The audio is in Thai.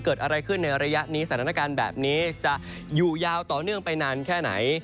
เกิดอะไรขึ้นในระยะนี้สถานการณ์แบบนี้จะอยู่ยาวต่อเนื่องไปนานแค่ไหน